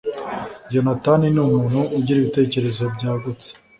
Jonathan ni umuntu ugira ibitekerezo byagutse